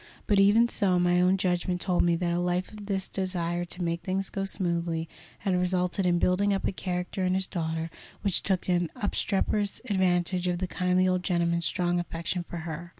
But, even so, my own judgment told me that a life of this desire to make things go smoothly had resulted in building up a character in his daughter which took an obstreperous advantage of the kindly old gentleman's strong affection for her.